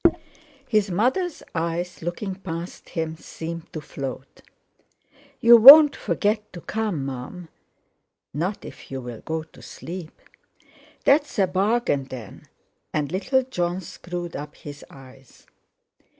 His mother's eyes, looking past him, seemed to float. "You won't forget to come, Mum?" "Not if you'll go to sleep." "That's a bargain, then." And little Jon screwed up his eyes.